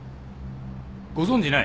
ご存じない？